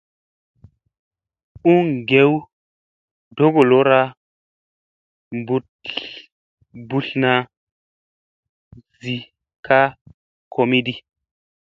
U ngew togolora mbutlna zi ka komiɗi.